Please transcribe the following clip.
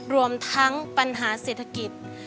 รวมทั้งปัญหาเศรษฐกิจ